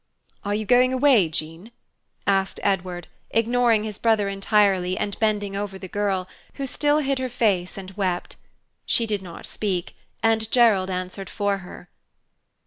"Are you going away, Jean?" asked Edward, ignoring his brother entirely and bending over the girl, who still hid her face and wept. She did not speak, and Gerald answered for her.